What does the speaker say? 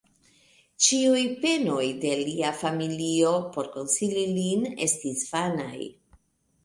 Ĉiuj penoj de lia familio, por konsoli lin, estis vanaj.